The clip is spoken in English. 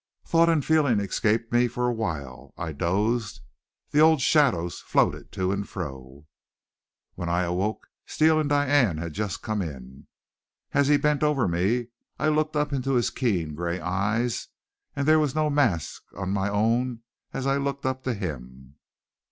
Thought and feeling escaped me for a while. I dozed. The old shadows floated to and fro. When I awoke Steele and Diane had just come in. As he bent over me I looked up into his keen gray eyes and there was no mask on my own as I looked up to him.